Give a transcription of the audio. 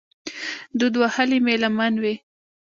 دود وهلې مې لمن وي